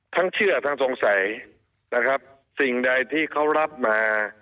ทั้งเชื่อทั้งสงสัยนะครับสิ่งใดที่เขารับมา